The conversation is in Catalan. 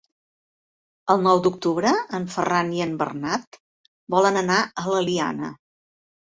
El nou d'octubre en Ferran i en Bernat volen anar a l'Eliana.